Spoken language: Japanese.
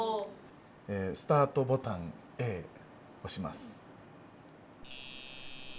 スタートボタンＡ押します。